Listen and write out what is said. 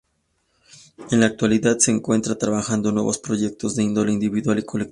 En la actualidad se encuentra trabajando en nuevos proyectos de índole individual y colectiva.